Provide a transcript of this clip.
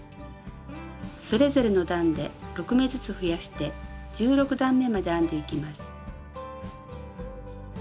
それぞれの段で６目ずつ増やして１６段めまで編んでいきます。